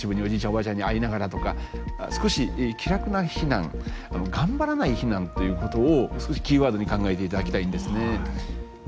おばあちゃんに会いながらとか少し気楽な避難頑張らない避難ということをキーワードに考えていただきたいんですね。